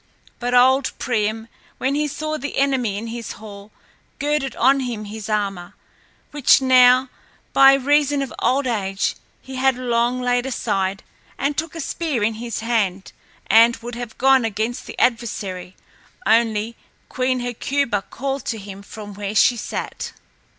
But old Priam, when he saw the enemy in his hall, girded on him his armor, which now by reason of old age he had long laid aside, and took a spear in his hand and would have gone against the adversary, only Queen Hecuba called to him from where she sat.